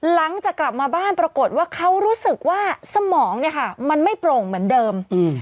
หลังจากกลับมาบ้านปรากฏว่าเขารู้สึกว่าสมองเนี่ยค่ะมันไม่โปร่งเหมือนเดิม